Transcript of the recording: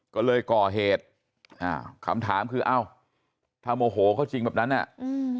ก็เลยก่อเหตุอ่าคำถามคืออ้าวถ้าโมโหเขาจริงแบบนั้นอ่ะอืม